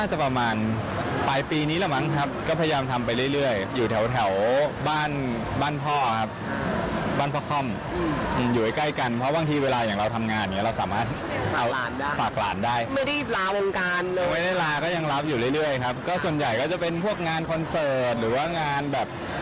เฮียฮอล์ว่ามีคุยที่แบ็คบานีลาไหมครับ